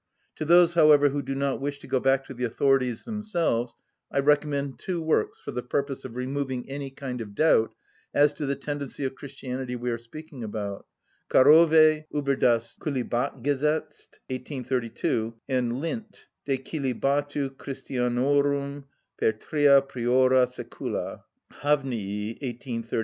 To those, however, who do not wish to go back to the authorities themselves I recommend two works for the purpose of removing any kind of doubt as to the tendency of Christianity we are speaking about: Carové, "Ueber das Cölibatgesetz," 1832, and Lind, "De cœlibatu Christianorum per tria priora secula," Havniœ, 1839.